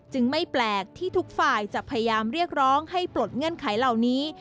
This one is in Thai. ไม่แปลกที่ทุกฝ่ายจะพยายามเรียกร้องให้ปลดเงื่อนไขเหล่านี้